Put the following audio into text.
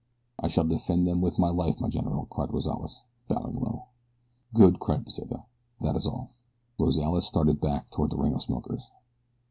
"I shall defend them with my life, my general," cried Rozales, bowing low. "Good!" cried Pesita. "That is all." Rozales started back toward the ring of smokers.